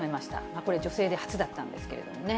これ、女性で初だったんですけれどもね。